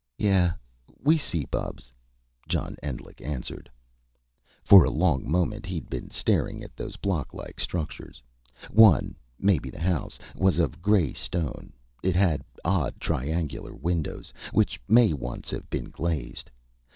"Yeah, we see, Bubs," John Endlich answered. For a long moment he'd been staring at those blocklike structures. One maybe the house was of grey stone. It had odd, triangular windows, which may once have been glazed.